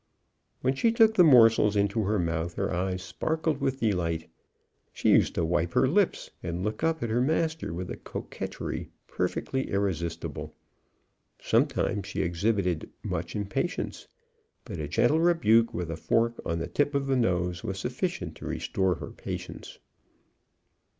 When she took the morsels into her mouth, her eyes sparkled with delight. She used to wipe her lips, and look up at her master with a coquetterie perfectly irresistible. Sometimes she exhibited much impatience; but a gentle rebuke with a fork on the tip of the nose was sufficient to restore her patience.